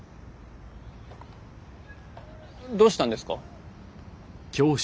どうしたんですか？